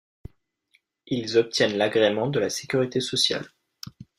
Ils obtiennent l'agrément de la sécurité sociale.